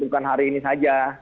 bukan hari ini saja